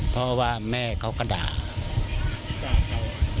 เพราะว่าแม่เขาก็ด่าด่าเขา